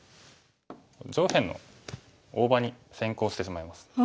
上辺の大場に先行してしまいます。